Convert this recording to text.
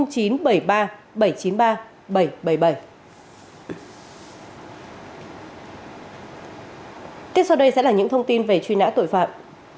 tiếp sau đây sẽ là những thông tin về truy nã tội phạm